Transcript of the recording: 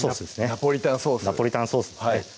ナポリタンソースナポリタンソースですね